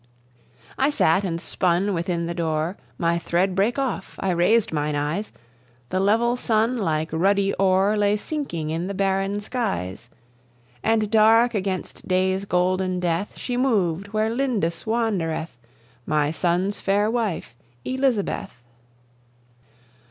I sat and spun within the doore, My thread brake off, I raised myne eyes; The level sun, like ruddy ore, Lay sinking in the barren skies; And dark against day's golden death She moved where Lindis wandereth, My sonne's faire wife, Elizabeth.